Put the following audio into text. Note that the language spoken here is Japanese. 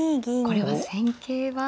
これは戦型は。